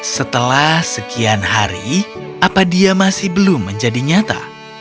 setelah sekian hari apa dia masih belum menjadi nyata